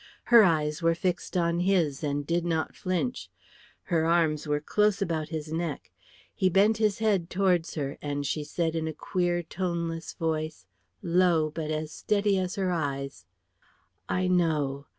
Her eyes were fixed on his and did not flinch; her arms were close about his neck; he bent his head towards her, and she said in a queer, toneless voice, low but as steady as her eyes, "I know.